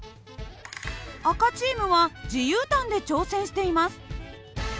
赤チームは自由端で挑戦しています。